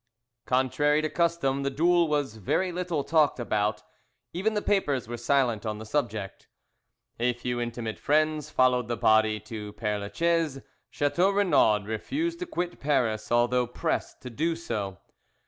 CONTRARY to custom, the duel was very little talked about; even the papers were silent on the subject. A few intimate friends followed the body to Père la Chaise. Chateau Renaud refused to quit Paris, although pressed to do so.